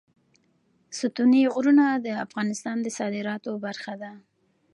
ستوني غرونه د افغانستان د صادراتو برخه ده.